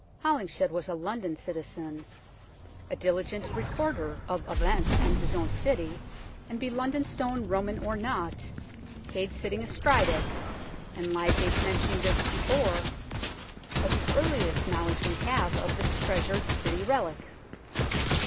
Holinshed was a London citizen, a diligent recorder of events in his own city, and be London Stone Roman or not, Cade sitting astride of it, and Lydgate's mention just before, are the earliest knowledge we have of this treasured City relic.